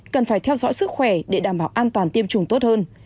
cần phải theo dõi sức khỏe để đảm bảo an toàn tiêm chủng tốt hơn